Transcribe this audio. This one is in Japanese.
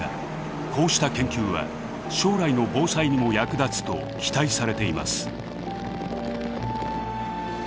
こうした研究は将来の防災にも役立つと期待されています。